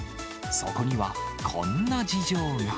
そこにはこんな事情が。